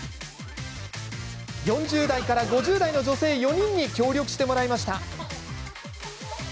４０代から５０代の女性４人に協力してもらいました。